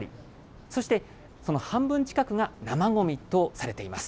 そして、その半分近くが生ごみとされています。